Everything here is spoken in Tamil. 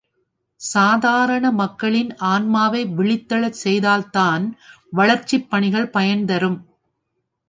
சாதாரண மக்களின் ஆன்மாவை விழித்தெழச் செய்தால்தான் வளர்ச்சிப் பணிகள் பயன் தரும்.